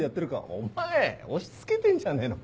お前押し付けてんじゃねえのか？